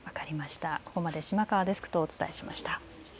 ここまで島川デスクとお伝えしました。